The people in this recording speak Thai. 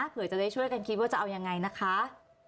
เผื่อจะได้ช่วยกันคิดว่าจะเอายังไงนะคะ